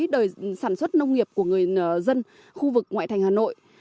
đời sản xuất nông nghiệp của người dân khu vực ngoại thành hà nội